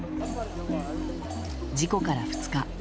事故から２日。